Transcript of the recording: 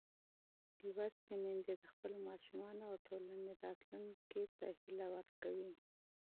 تعلیم یافته میندې د خپلو ماشومانو او ټولنې راتلونکي ته هیله ورکوي.